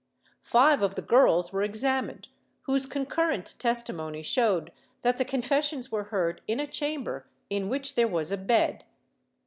Five of the girls were examined, whose concurrent testi mony showed that the confessions were heard in a chamber in which there was a bed.